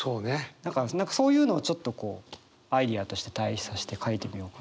だから何かそういうのをちょっとこうアイデアとして対比さして書いてみようかな。